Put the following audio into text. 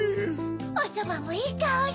おそばもいいかおり。